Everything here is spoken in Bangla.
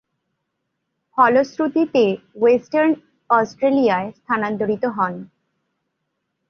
ফলশ্রুতিতে ওয়েস্টার্ন অস্ট্রেলিয়ায় স্থানান্তরিত হন।